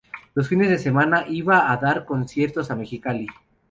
Los fines de semana iba a dar conciertos a Mexicali.